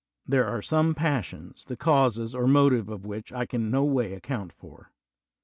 There are some passions the causes or motiv of which I can no way account for.